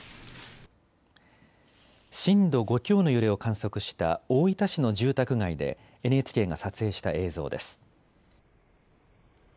震度５強の揺れを観測した大分市の住宅街でＮＨＫが撮影した映像です。